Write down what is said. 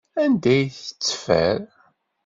Anda ay tt-teffer?